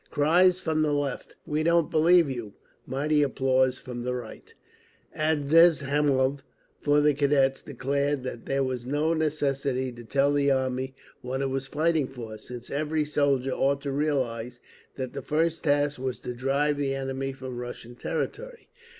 Cries from the Left, "We don't believe you!" Mighty applause from the Right…. Adzhemov, for the Cadets, declared that there was no necessity to tell the army what it was fighting for, since every soldier ought to realise that the first task was to drive the enemy from Russian territory.